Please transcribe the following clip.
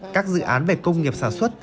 các dự án về công nghiệp sản xuất